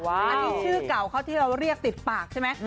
อันนี้ชื่อเก่าเขาที่เราเรียกติดปากใช่ไหม